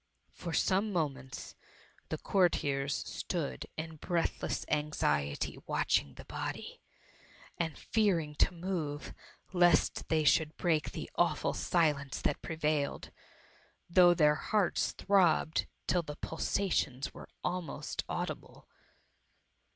THE MUMMY. 285 For some moments, the courtiers stood in breathless anxiety watching the body, and fear ing to move lest they should break the awful silence that prevailed, though their hearts throbbed till the pulsations were almost au dible.